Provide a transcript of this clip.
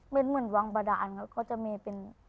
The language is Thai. เป็นเหมือนวังบาดานครับก็จะมีเป็น